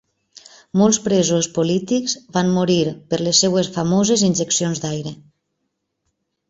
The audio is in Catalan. Molts presos polítics van morir per les seves famoses injeccions d'aire.